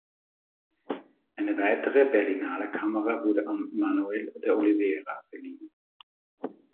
Eine weitere Berlinale-Kamera wurde an Manoel de Oliveira verliehen.